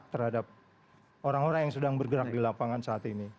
dan juga lebih cepat terhadap orang orang yang sedang bergerak di lapangan saat ini